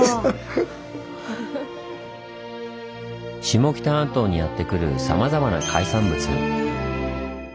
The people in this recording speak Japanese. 下北半島にやって来るさまざまな海産物。